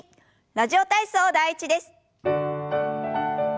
「ラジオ体操第１」です。